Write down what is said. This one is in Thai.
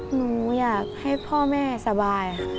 หนูอยากให้พ่อแม่สบาย